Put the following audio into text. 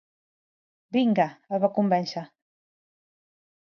"Vinga", el va convèncer.